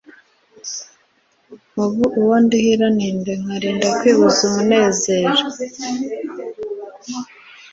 ubu uwo nduhira ni nde, nkarinda kwibuza umunezero